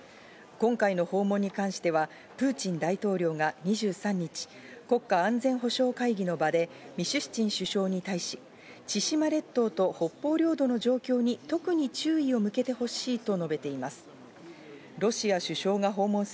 今回の訪問に関しては、プーチン大統領が２３日、国家安全保障会議の場でミシュスチン首相に対し、千島列島と北方領土の状況に特に注意を向けてほしいと述べています。